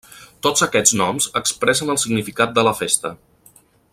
Tots aquests noms expressen el significat de la festa.